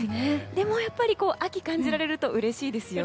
でも、やっぱり秋を感じられるとうれしいですよね。